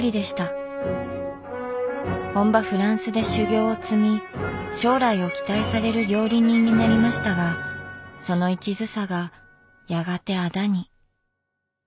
本場フランスで修業を積み将来を期待される料理人になりましたがそのいちずさがやがてあだに。